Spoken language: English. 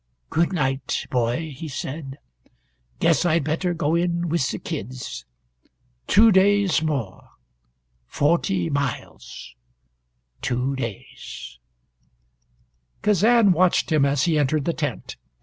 "Good night, boy," he said. "Guess I'd better go in with the kids. Two days more forty miles two days " Kazan watched him as he entered the tent.